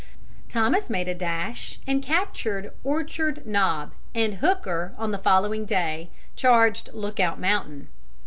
Thomas made a dash and captured Orchard Knob, and Hooker, on the following day, charged Lookout Mountain.